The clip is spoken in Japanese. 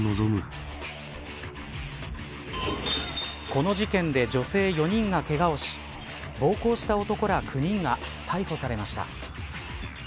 この事件で女性４人がけがをし暴行した男ら９人が逮捕されました。